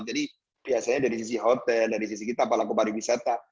jadi biasanya dari sisi hotel dari sisi kita pelaku pariwisata